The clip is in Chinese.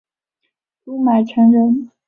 朱买臣人。